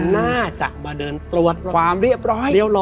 น่าจะมาเดินตรวจความเรียบร้อย